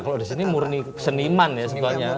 kalau di sini murni seniman ya sebetulnya